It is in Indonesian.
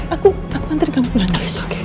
aku aku antar kamu lanjut